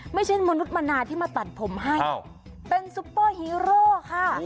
ไม่ใช่มนุษย์มนาที่มาตัดผมให้เป็นซุปเปอร์ฮีโร่ค่ะ